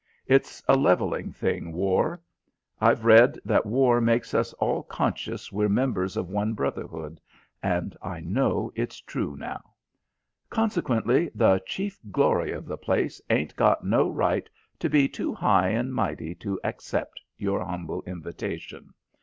It's a levelling thing, war. I've read that war makes us all conscious we're members of one brotherhood, and I know it's true now. Consequently the chief glory of the place ain't got no right to be too high and mighty to accept your humble invitation.